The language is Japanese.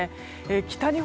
北日本